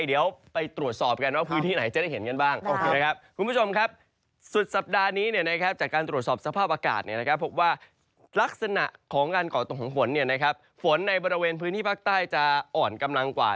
ลักษณะของการเกาะตรงของฝนฝนในบริเวณพื้นที่ภาคใต้จะอ่อนกำลังกว่า